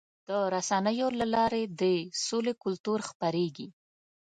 د رسنیو له لارې د سولې کلتور خپرېږي.